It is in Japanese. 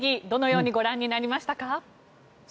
どのようにご覧になりましたか？